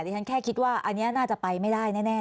ฉันแค่คิดว่าอันนี้น่าจะไปไม่ได้แน่